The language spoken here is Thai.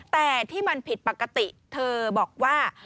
แต่ที่มันผิดปกติเธอบอกว่า